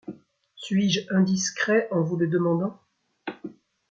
Suis-je indiscret en vous le demandant ?